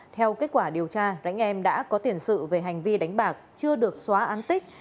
theo kết quả điều tra đánh em đã có tiền sự về hành vi đánh bạc chưa được xóa án tích